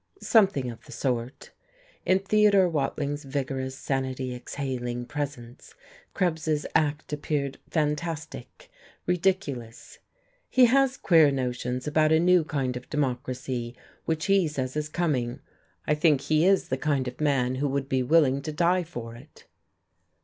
"Something of the sort." In Theodore Watling's vigorous, sanity exhaling presence Krebs's act appeared fantastic, ridiculous. "He has queer notions about a new kind of democracy which he says is coming. I think he is the kind of man who would be willing to die for it."